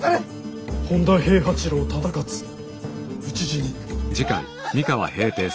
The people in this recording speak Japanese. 本多平八郎忠勝討ち死に。